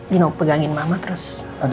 you know pegangin mama terus